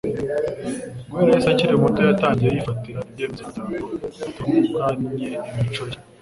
Guhera Yesu akiri muto, yatangiye yifatira ibyemezo kugira ngo atvmganye imico ye;